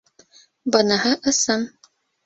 Быныһы ысын.